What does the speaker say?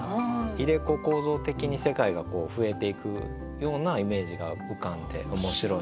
入れ子構造的に世界が増えていくようなイメージが浮かんで面白いなと。